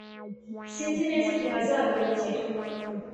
Sinzi neza igihe azagarukira